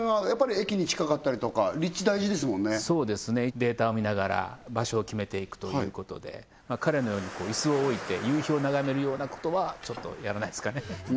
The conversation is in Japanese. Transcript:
データを見ながら場所を決めていくということで彼のように椅子を置いて夕日を眺めるようなことはちょっとやらないですかね